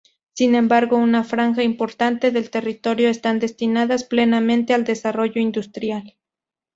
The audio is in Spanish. Sin embargo, una franja importante del territorio, están destinadas plenamente al desarrollo industrial.